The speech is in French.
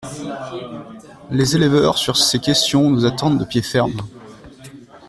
Les éleveurs, sur ces questions, nous attendent de pied ferme.